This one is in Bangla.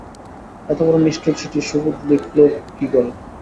এতবড়ো নিষ্ঠুর চিঠি সুবোধ লিখল কী করে!